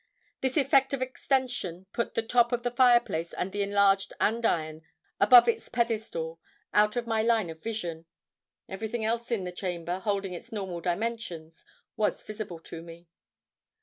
This effect of extension put the top of the fireplace and the enlarged andiron, above its pedestal, out of my line of vision. Everything else in the chamber, holding its normal dimensions, was visible to me.